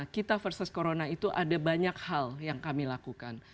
kita versus corona itu ada banyak hal yang kami lakukan